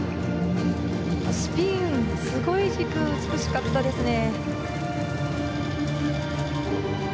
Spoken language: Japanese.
スピン、軸がすごい美しかったですね。